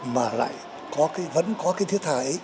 mà lại vẫn có cái thiết tha ấy